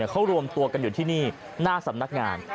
เขารวมตัวกันอยู่ที่นี่หน้าสำนักงาน